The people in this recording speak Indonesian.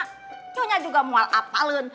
nyonya juga mual apalun